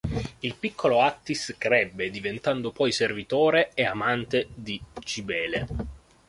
Il piccolo Attis crebbe, diventando poi servitore e amante di Cibele.